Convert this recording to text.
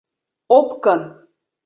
— Опкын!